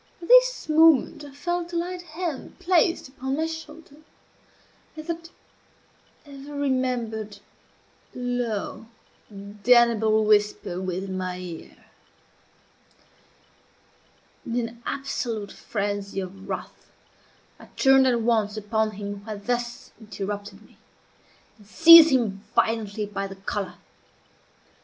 At this moment I felt a light hand placed upon my shoulder, and that ever remembered, low, damnable whisper within my ear. In an absolute frenzy of wrath, I turned at once upon him who had thus interrupted me, and seized him violently by the collar.